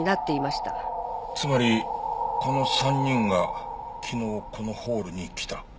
つまりこの３人が昨日このホールに来た？